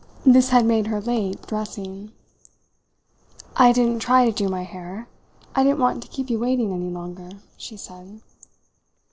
This had made her late dressing. "I didn't try to do my hair. I didn't want to keep you waiting any longer," she said.